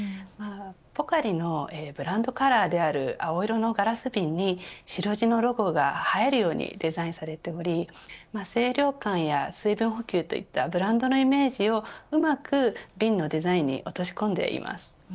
ポカリのブランドカラーである青色のガラス瓶に白地のロゴが映えるようにデザインされており清涼感や水分補給といったブランドのイメージをうまく瓶のデザインに落とし込んでいます。